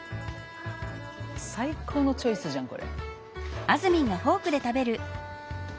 最高のチョイスじゃんこれ。